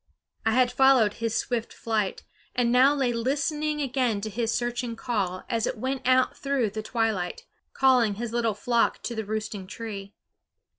I had followed his swift flight, and now lay listening again to his searching call as it went out through the twilight, calling his little flock to the roosting tree.